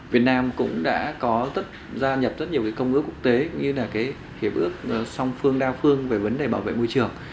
việt nam cũng đã có gia nhập rất nhiều công ước quốc tế cũng như là hiệp ước song phương đa phương về vấn đề bảo vệ môi trường